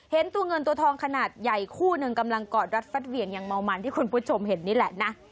เห็นตัวเงินตัวทองขนาดใหญ่คู่หนึ่งกำลังกอดรัดฟัดเหวี่ยงอย่างเมามันที่คุณผู้ชมเห็นนี่แหละนะ